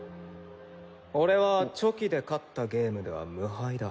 俺はチョキで勝ったゲームでは無敗だ。